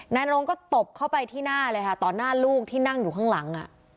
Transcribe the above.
นายนรงก็ตบเข้าไปที่หน้าเลยค่ะต่อหน้าลูกที่นั่งอยู่ข้างหลัง